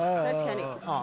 確かに。